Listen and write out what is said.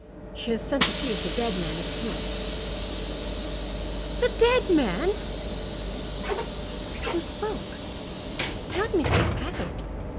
She has sent to see if the dead man is he." "The dead man!" Who spoke? Not Mrs. Packard!